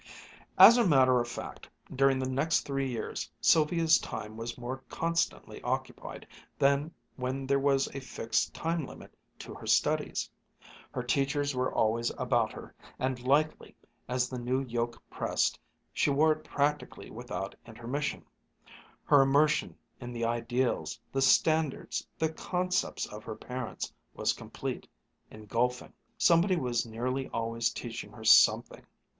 As a matter of fact, during the next three years Sylvia's time was more constantly occupied than when there was a fixed time limit to her studies. Her teachers were always about her, and lightly as the new yoke pressed, she wore it practically without intermission. Her immersion in the ideals, the standards, the concepts of her parents was complete, engulfing. Somebody was nearly always teaching her something.